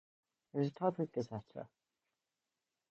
It is a type of gazetteer.